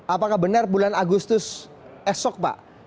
apakah benar bulan agustus esok pak